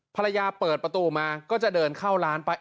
ภรรยาเปิดประตูมาก็จะเดินเข้าร้านไป